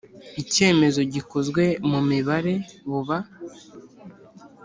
icyemezo gikozwe mu mibare buba